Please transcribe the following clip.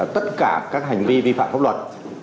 tất cả các hành vi vi phạm pháp luật